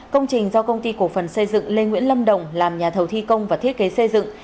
công trình do công ty cổ phần xây dựng lê nguyễn lâm đồng làm nhà thầu thi công và thiết kế xây dựng